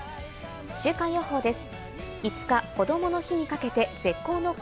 週間予報です。